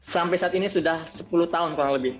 sampai saat ini sudah sepuluh tahun kurang lebih